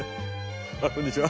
こんにちは。